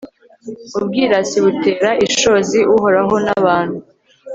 ubwirasi butera ishozi uhoraho n'abantu